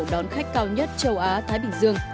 đón khách cao nhất châu á thái bình dương